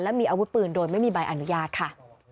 และมีอาวุธปืนโดยไม่มีใบอนุญาตค่ะ